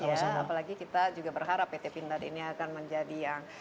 apalagi kita juga berharap pt pindad ini akan menjadi yang